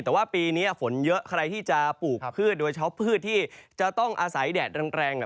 แต่ว่าปีนี้ฝนเยอะใครที่จะปลูกพืชโดยเฉพาะพืชที่จะต้องอาศัยแดดแรงแรง